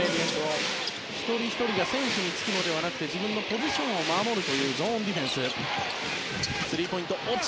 一人ひとりが選手ではなく自分のポジションを守るゾーンディフェンス。